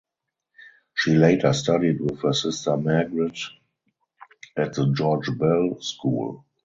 She later studied with her sister Margaret at the George Bell School.